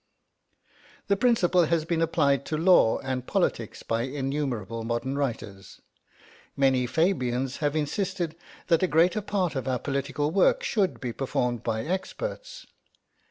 The principle has been applied to law and politics by innumerable modern writers. Many Fabians have insisted that a greater part of our political work should be performed by experts.